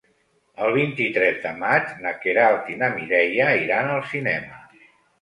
El vint-i-tres de maig na Queralt i na Mireia iran al cinema.